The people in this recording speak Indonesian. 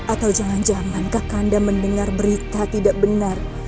atau jangan jangan kakanda mendengar berita tidak benar